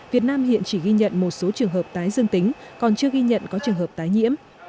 việt nam hiện chỉ ghi nhận một số trường hợp tái dương tính còn chưa ghi nhận có trường hợp tái nhiễm